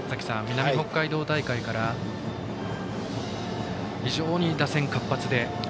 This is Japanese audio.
南北海道大会から非常に打線活発で。